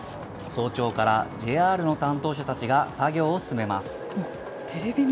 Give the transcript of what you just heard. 早朝からＪＲの担当者たちが作業を進めます。